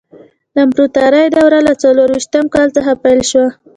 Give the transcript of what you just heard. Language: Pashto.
د امپراتورۍ دوره له څلور ویشتم کال څخه پیل شوه.